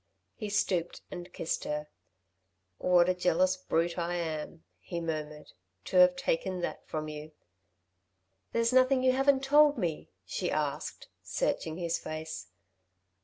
He stooped and kissed her. "What a jealous brute I am," he murmured, "to have taken that from you." "There's nothing you haven't told me?" she asked, searching his face.